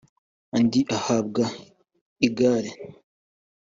undi ahabwa igare